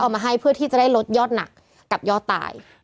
เพื่อไม่ให้เชื้อมันกระจายหรือว่าขยายตัวเพิ่มมากขึ้น